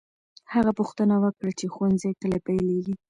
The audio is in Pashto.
هغه پوښتنه وکړه چې ښوونځی کله پیلېږي.